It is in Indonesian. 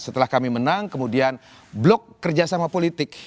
setelah kami menang kemudian blok kerjasama politik